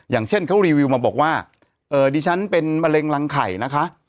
อย่างเช่นเขารีวิวมาบอกว่าดิฉันเป็นมะเร็งรังไข่นะคะ